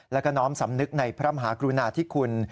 แล้วก็น้อมสำนึกในพระมหากรุณาธิคุณ